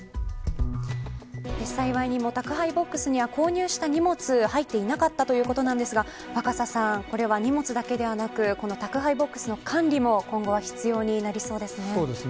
幸いにも宅配ボックスには購入した荷物は入っていなかったということですが若狭さん、荷物だけではなく宅配ボックスの管理も今後は必要になりそうですね。